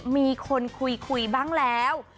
มีคนคุยบ้างแล้ว